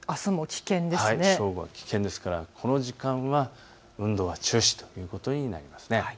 正午は危険ですからこの時間は運動は中止ということになりますね。